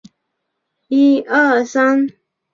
它是菲律宾最有名的私立大学之一。